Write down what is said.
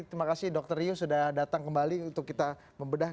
terima kasih dr rio sudah datang kembali untuk kita membedah